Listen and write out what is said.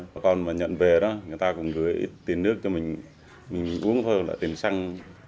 bà con mà nhận về đó người ta cũng gửi tiền nước cho mình mình uống thôi là tiền xăng